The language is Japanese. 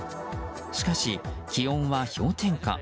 しかし気温は氷点下。